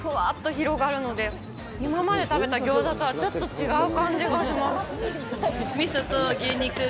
みその味がかんだ瞬間にふわっと広がるので、今まで食べたギョーザとはちょっと違う感じがします。